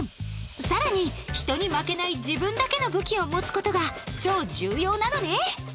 さらに人に負けない自分だけの武器を持つ事が超重要なのね